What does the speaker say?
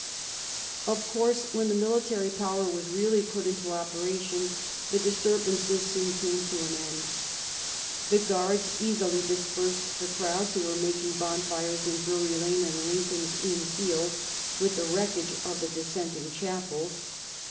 Of course, when the military power was really put into operation the disturbances soon came to an end. The Guards easily dispersed the crowds who were mak ing bonfires in Drury Lane and Lincoln's Inn Fields with the wreckage of the dissenting chapels.